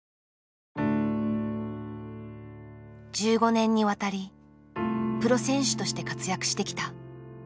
１５年にわたりプロ選手として活躍してきた。